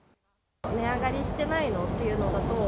値上がりしてないのっていうのだと、どう？